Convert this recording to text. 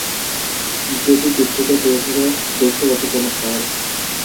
Jeju দ্বীপটিকে দূর থেকে দেখতে অতি চমৎকার।